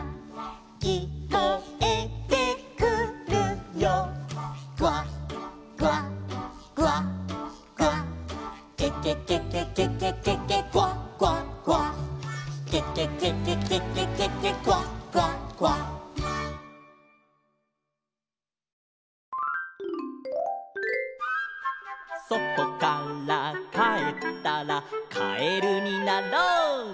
「きこえてくるよ」「クワクワクワクワ」「ケケケケケケケケクワクワクワ」「ケケケケケケケケクワクワクワ」「そとからかえったらカエルになろう」